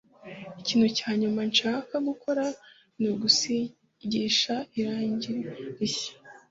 Ikintu cya nyuma nshaka gukora ni ugusigisha irangi rishya